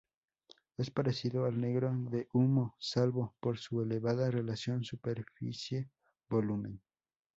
Es parecido al negro de humo salvo por su elevada relación superficie-volumen.